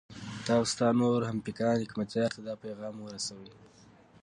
ته او ستا نور همفکران حکمتیار ته دا پیغام ورسوئ.